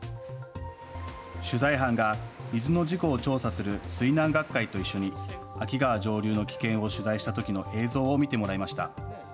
取材班が水の事故を調査する水難学会と一緒に秋川上流の危険を取材したときの映像を見てもらいました。